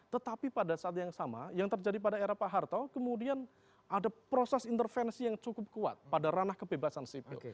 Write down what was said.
tetapi pada saat yang sama yang terjadi pada era pak harto kemudian ada proses intervensi yang cukup kuat pada ranah kebebasan sipil